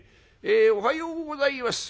えおはようございます。